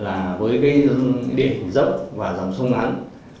mà đáp biệt ở miền trung là với địa hình dốc và dòng sông nắng